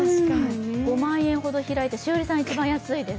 ５万円ほど差が開いて栞里さん一番安いです。